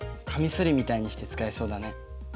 カミソリみたいにして使えそうだね。